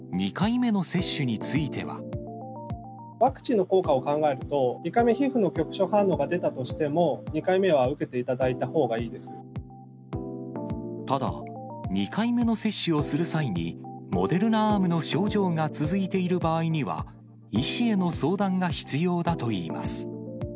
ワクチンの効果を考えると、１回目、皮膚の局所反応が出たとしても、２回目は受けていただいたほうがただ、２回目の接種をする際に、モデルナアームの症状が続いている場合には、医師への相談が必要だといいます。